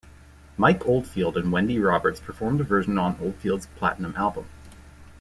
Mike Oldfield and Wendy Roberts performed a version on Oldfield's "Platinum album".